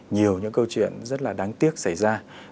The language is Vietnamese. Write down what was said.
nhiều những câu chuyện rất là đáng tiếc xảy ra